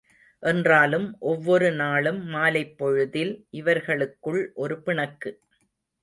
என்றாலும் ஒவ்வொரு நாளும் மாலைப் பொழுதில் இவர்களுக்குள் ஒரு பிணக்கு.